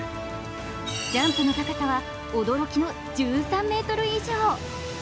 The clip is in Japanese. ジャンプの高さは驚きの１３ｍ以上。